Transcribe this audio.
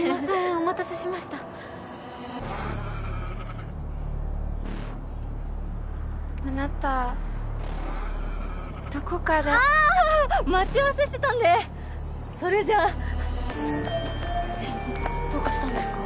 お待たせしましたあなたどこかであぁ待ち合わせしてたんでそれじゃどうかしたんですか？